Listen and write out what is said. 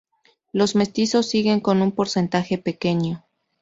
Los mestizos siguen con un porcentaje pequeño.